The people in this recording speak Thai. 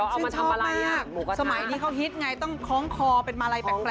ชื่นชอบมากสมัยนี้เขาฮิตไงต้องคล้องคอเป็นมาลัยแปลก